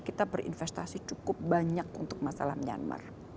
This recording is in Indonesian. kita berinvestasi cukup banyak untuk masalah myanmar